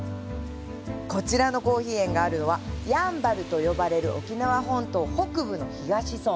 こちらのコーヒー園があるのはやんばると呼ばれる沖縄本島北部の東村。